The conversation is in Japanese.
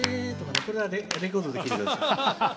これはレコードで聴いてください。